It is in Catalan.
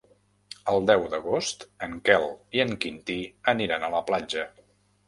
El deu d'agost en Quel i en Quintí aniran a la platja.